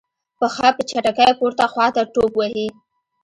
پښه په چټکۍ پورته خواته ټوپ وهي.